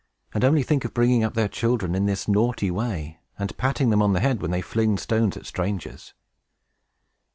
And only think of bringing up their children in this naughty way, and patting them on the head when they fling stones at strangers!"